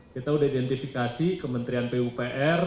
kita sudah identifikasi kementerian pupr